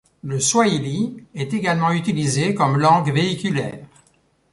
Le swahili est également utilisé comme langue véhiculaire.